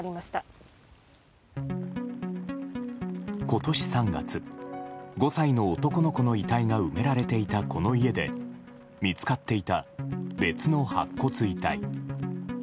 今年３月５歳の男の子の遺体が埋められていた、この家で見つかっていた別の白骨遺体。